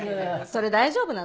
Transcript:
それ大丈夫なの？